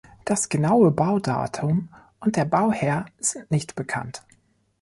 Das genaue Baudatum und der Bauherr sind nicht bekannt.